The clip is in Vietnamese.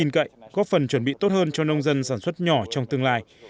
đáng tin cậy có phần chuẩn bị tốt hơn cho nông dân sản xuất nhỏ trong tương lai